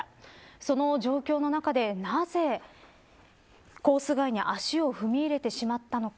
その状況の中で、なぜコース外に足を踏み入れてしまったのか。